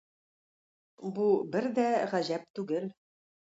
Бу бер дә гаҗәп түгел.